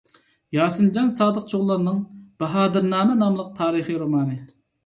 ياسىنجان سادىق چوغلاننىڭ «باھادىرنامە» ناملىق تارىخىي رومانى